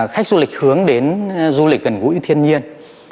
khách du lịch hướng đến du lịch gần gũi thiên nhiên